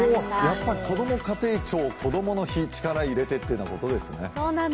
やっぱり、こども家庭庁こどもの日力を入れてということですね。